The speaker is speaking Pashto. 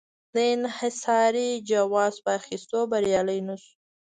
د انحصاري جواز په اخیستو بریالی نه شو.